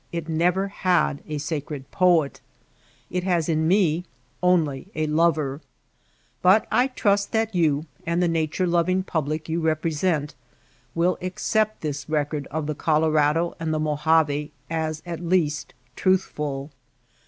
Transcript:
It never had a sacred poet ; it has in me only a lover. But I trust that you, and the nature loving public you represent, will accept this record of the Colorado and the Mojave as at least truthful.